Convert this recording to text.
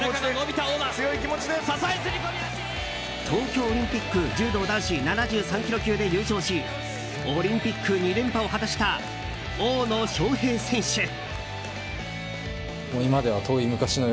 東京オリンピック柔道男子７３ｋｇ級で優勝しオリンピック２連覇を果たした大野将平選手。